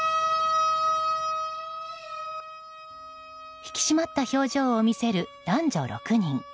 引き締まった表情を見せる男女６人。